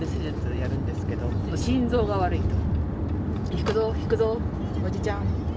ひくぞひくぞおじちゃん。